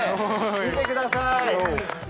見てください。